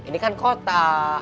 ini kan kota